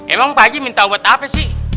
emang pak haji minta obat apa sih